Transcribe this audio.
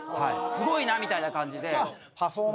スゴいなみたいな感じで。